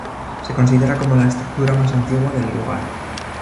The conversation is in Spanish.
Se considera como la estructura más antigua del lugar.